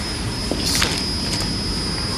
Yessen.